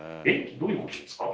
どういうことですか？